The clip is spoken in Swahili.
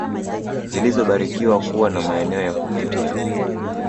zilizobarikiwa kuwa na maeneo ya kuvutia